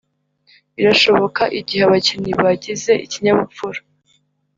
birashoboka igihe abakinnyi bagize ikinyabupfura